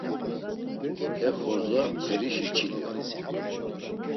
He xordza perişi çili on.